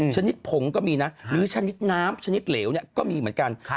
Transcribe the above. ชนิดผงก็มีนะหรือชนิดน้ำชนิดเหลวเนี่ยก็มีเหมือนกัน